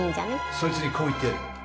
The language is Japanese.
そいつにこう言ってやれ。